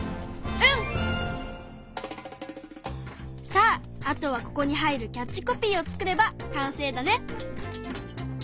さああとはここに入るキャッチコピーを作れば完成だね。